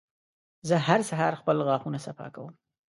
زه هر سهار خپل غاښونه صفا کوم.